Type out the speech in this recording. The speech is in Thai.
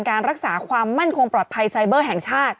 การรักษาความมั่นคงปลอดภัยไซเบอร์แห่งชาติ